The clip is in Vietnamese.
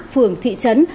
phường thị trấn